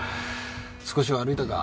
少しは歩いたか？